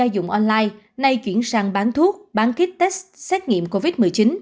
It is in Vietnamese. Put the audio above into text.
bán đồ dùng online nay chuyển sang bán thuốc bán kit test xét nghiệm covid một mươi chín